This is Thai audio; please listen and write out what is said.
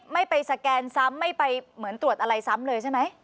ไม่ไปสแกนซ้ำไม่ไปเหมือนตรวจอะไรซ้ำเลยใช่ไหม